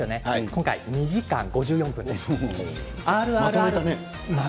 今回２時間５４分です。